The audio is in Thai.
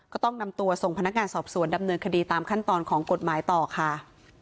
ก็ต้องนำตัวส่งพนักงานสอบสวนดำเนินคดีตามขั้นตอนของกฎหมายต่อค่ะ